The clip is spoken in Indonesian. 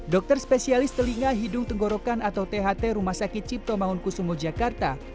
dokter spesialis telinga hidung tenggorokan atau tht rumah sakit cipto mangunkusumo jakarta